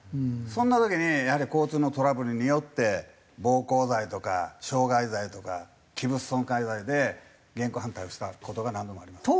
そんな時にやはり交通のトラブルによって暴行罪とか傷害罪とか器物損壊罪で現行犯逮捕した事が何度もありますね。